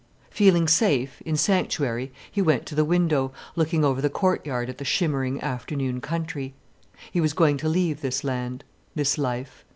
Feeling safe, in sanctuary, he went to the window, looking over the courtyard at the shimmering, afternoon country. He was going to leave this land, this life.